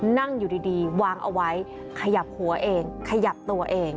นั่งอยู่ดีวางเอาไว้ขยับหัวเองขยับตัวเอง